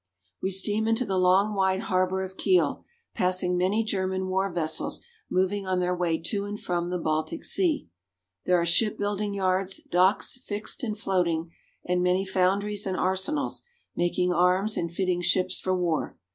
1 93 We steam into the long wide harbor of Kiel, passing many German war vessels moving on their way to and from the Baltic Sea. There are shipbuilding yards, docks fixed and floating, and many foundries and arsenals, mak ing arms and fitting ships for war.